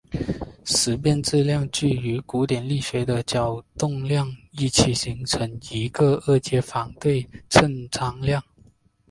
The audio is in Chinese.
时变质量矩与古典力学的角动量一起形成一个二阶反对称张量。